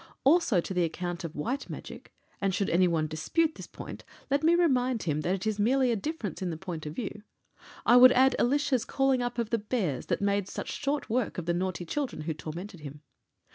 Also, to the account of White Magic and should anyone dispute this point let me remind him that it is merely a difference in the point of view I would add Elisha's calling up of the bears that made such short work of the naughty children who tormented him.